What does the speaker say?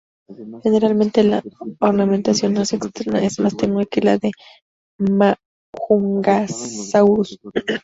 Generalmente la ornamentación ósea externa es más tenue que la de "Majungasaurus".